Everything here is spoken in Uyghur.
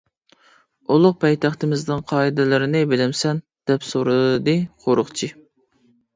-ئۇلۇغ پايتەختىمىزنىڭ قائىدىلىرىنى بىلەمسەن؟ دەپ سورىدى قورۇقچى.